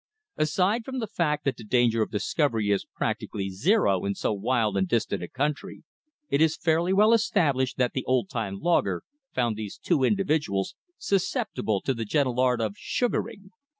Aside from the fact that the danger of discovery is practically zero in so wild and distant a country, it is fairly well established that the old time logger found these two individuals susceptible to the gentle art of "sugaring."